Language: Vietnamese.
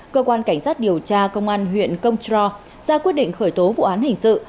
cơ quan cảnh sát điều tra công an huyện công trò ra quyết định khởi tố vụ án hình sự